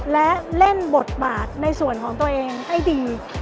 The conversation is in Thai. และเล่นบทบาทในส่วนของตัวเองให้ดี